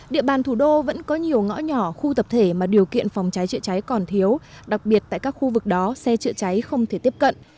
địa bàn thủ đô vẫn có nhiều ngõ nhỏ khu tập thể mà điều kiện phòng cháy chữa cháy còn thiếu đặc biệt tại các khu vực đó xe chữa cháy không thể tiếp cận